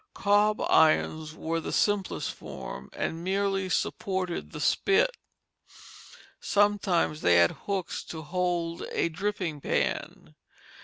Cob irons were the simplest form, and merely supported the spit; sometimes they had hooks to hold a dripping pan.